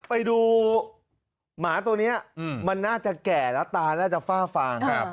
ไปดูหมาตัวนี้มันน่าจะแก่แล้วตาน่าจะฝ้าฟาง